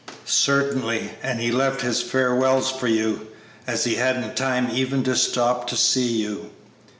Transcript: "Certainly, and he left his farewells for you, as he hadn't time even to stop to see you."